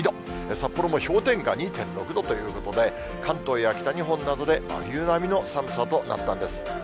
札幌も氷点下２．６度ということで、関東や北日本などで真冬並みの寒さとなったんです。